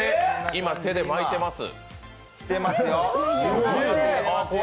今、手で巻いてます。